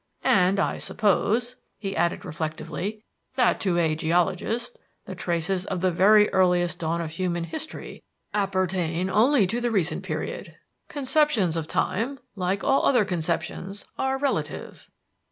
And, I suppose," he added reflectively, "that to a geologist, the traces of the very earliest dawn of human history appertain only to the recent period. Conceptions of time, like all other conceptions, are relative."